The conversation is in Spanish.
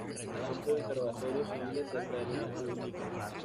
Campo de interrogatorios civiles, cerca de Luneburgo.